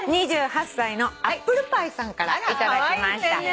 ２８歳のアップルパイさんから頂きました。